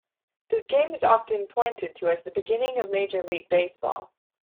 This game is often pointed to as the beginning of Major League Baseball.